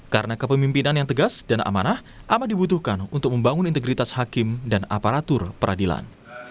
karena kepemimpinan yang tegas dan amanah amat dibutuhkan untuk membangun integritas hakim dan aparatur peradilan